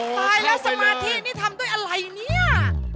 ตายแล้วสมาธินี่ทำด้วยอะไรเนี่ย